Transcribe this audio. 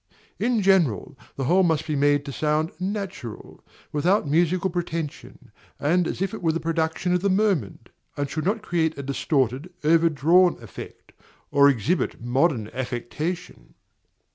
In general, the whole must be made to sound natural, without musical pretension, and as if it were the production of the moment; and should not create a distorted, overdrawn effect, or exhibit modern affectation.